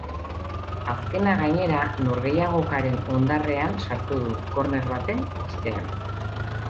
Azkena, gainera, norgehiagokaren hondarrean sartu du, korner baten ostean.